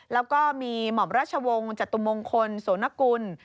แล้วก็มีหม่อมราชวงศ์จตุมงคลโสนกุล